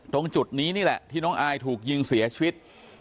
ตรงจุดนี้นี่แหละที่น้องอายถูกยิงเสียชีวิต